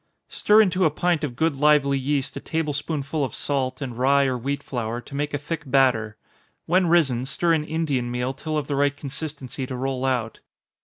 _ Stir into a pint of good lively yeast a table spoonful of salt, and rye or wheat flour to make a thick batter. When risen, stir in Indian meal till of the right consistency to roll out.